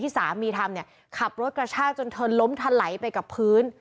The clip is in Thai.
สามีทำเนี่ยขับรถกระชากจนเธอล้มทะไหลไปกับพื้น